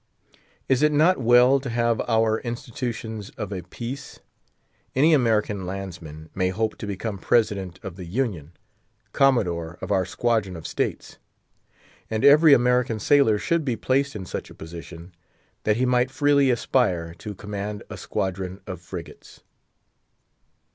Is it not well to have our institutions of a piece? Any American landsman may hope to become President of the Union—commodore of our squadron of states. And every American sailor should be placed in such a position, that he might freely aspire to command a squadron of frigates.